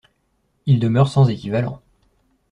Il demeure sans équivalent.